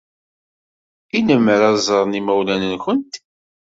I lemmer ad ẓren yimawlan-nwent?